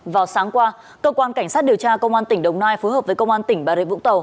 vào sáng qua cơ quan cảnh sát điều tra công an tỉnh đồng nai phối hợp với công an tỉnh bà rịa vũng tàu